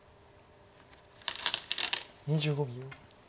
２５秒。